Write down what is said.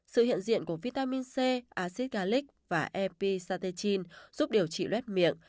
sự hiện diện của vitamin c acid garlic và episatechin giúp điều trị luet miệng